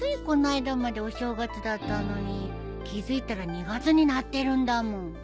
この間までお正月だったのに気付いたら２月になってるんだもん。